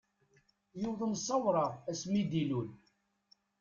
Yuḍen sawraɣ ass mi d-ilul.